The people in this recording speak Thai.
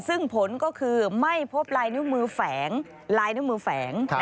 ซึ่งผลก็คือไม่พบลายนิ้วมือแฝง